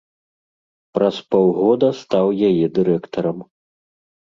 Праз паўгода стаў яе дырэктарам.